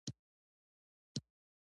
اوبه د جونګړو ښکلا ده.